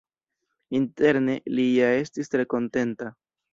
Interne, li ja estis tre kontenta.